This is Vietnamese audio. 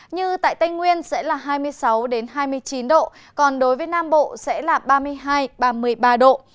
như tại tây nguyên sẽ là hai mươi sáu hai mươi chín độ còn đối với nam bộ sẽ là ba mươi hai ba mươi ba độ